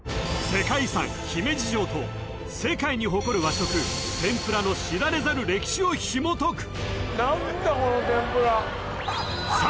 世界遺産姫路城と世界に誇る和食天ぷらの知られざる歴史をひもとく